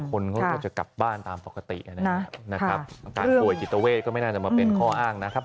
คนเขาก็จะกลับบ้านตามปกตินะครับอาการป่วยจิตเวทก็ไม่น่าจะมาเป็นข้ออ้างนะครับ